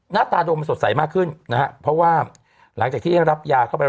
หน้าตาดมมันสดใสมากขึ้นนะฮะเพราะว่าหลังจากที่ได้รับยาเข้าไป